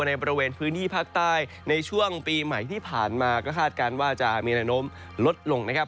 ในบริเวณพื้นที่ภาคใต้ในช่วงปีใหม่ที่ผ่านมาก็คาดการณ์ว่าจะมีแนวโน้มลดลงนะครับ